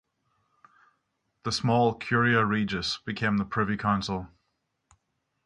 The small "curia regis" became the Privy Council.